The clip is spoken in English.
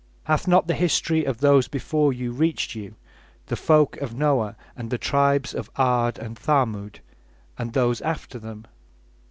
P: Hath not the history of those before you reached you: the folk of Noah, and (the tribes of) A'ad and Thamud, and those after them?